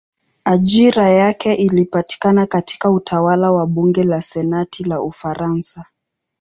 Ajira yake ilipatikana katika utawala wa bunge la senati ya Ufaransa.